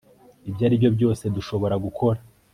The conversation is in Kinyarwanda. ibyo aribyo byose dushobora gukora